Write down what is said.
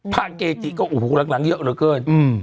พระเกจิก็หลังเยอะเหลือเกิน